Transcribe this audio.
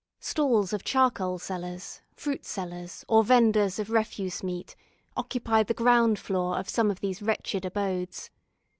Stalls of charcoal sellers, fruit sellers, or venders of refuse meat occupied the ground floor of some of these wretched abodes.